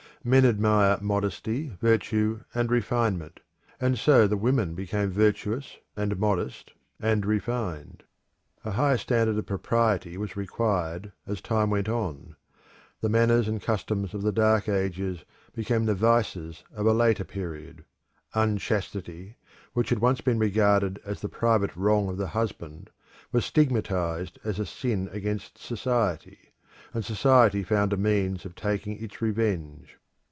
Men admire modesty, virtue, and refinement; and so the women became virtuous, and modest, and refined. A higher standard of propriety was required as time went on: the manners and customs of the Dark Ages became the vices of a later period; unchastity, which had once been regarded as the private wrong of the husband, was stigmatised as a sin against society; and society found a means of taking its revenge.